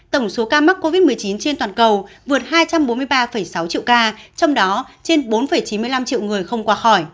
tổng số ca mắc covid một mươi chín trên toàn cầu vượt hai trăm bốn mươi ba sáu triệu ca trong đó trên bốn chín mươi năm triệu người không qua khỏi